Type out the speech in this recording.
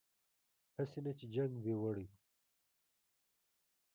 هسې نه چې جنګ وي وړی